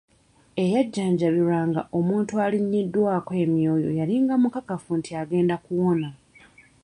Eyajanjabirwanga omuntu alinnyiddwako emyoyo yalinga mukakafu nti agenda kuwona.